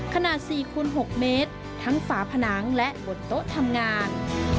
ขนาด๔คูณ๖เมตรทั้งฝาผนังและบนโต๊ะทำงาน